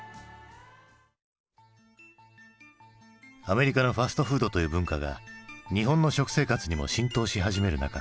アメリカのファストフードという文化が日本の食生活にも浸透し始める中